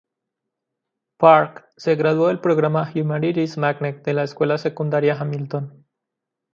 Park se graduó del Programa Humanities Magnet de la Escuela Secundaria Hamilton.